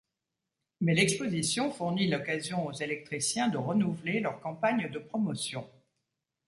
Mais l’exposition fournit l’occasion aux électriciens de renouveler leur campagne de promotion.